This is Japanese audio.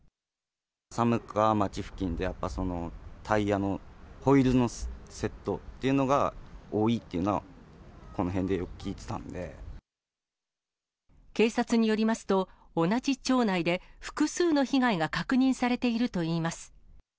寒川町付近で、やっぱタイヤのホイールの窃盗っていうのが多いっていうのは、警察によりますと、同じ町内で複数の被害が確認されているといいます。